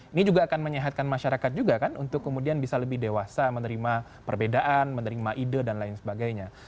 ini juga akan menyehatkan masyarakat juga kan untuk kemudian bisa lebih dewasa menerima perbedaan menerima ide dan lain sebagainya